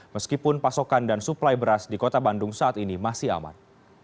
meskipun pasokan dan suplai beras di kota bandung saat ini masih aman